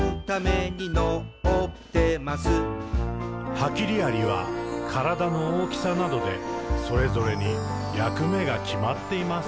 「ハキリアリはからだの大きさなどでそれぞれにやくめがきまっています。」